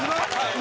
今？